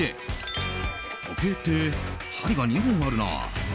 時計って針が２本あるなあ。